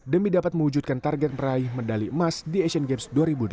demi dapat mewujudkan target meraih medali emas di asian games dua ribu delapan belas